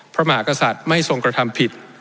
พระมหากษัตริย์ไม่ทรงกระทำผิด